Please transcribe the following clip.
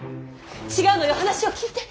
違うのよ話を聞いて！